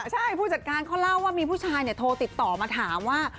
ใช่ผู้จัดการเขาเล่าว่ามีผู้ชายโทรติดต่อมาถามว่า